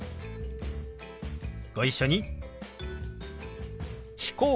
ご一緒に。